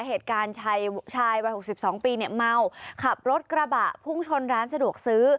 เหตุการณ์ชายวัย๖๒ปีเนี่ยเมาขับรถกระบะพุ่งชนร้านสะดวกซื้อ